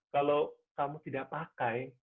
kalau kamu tidak pakai